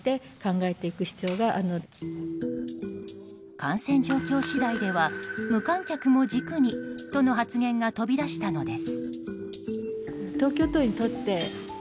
感染状況次第では無観客も軸にとの発言が飛び出したのです。